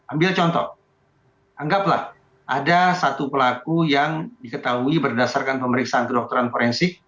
ambil contoh anggaplah ada satu pelaku yang diketahui berdasarkan pemeriksaan kedokteran forensik